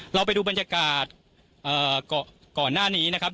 เราไปดูบรรยากาศก่อนหน้านี้นะครับ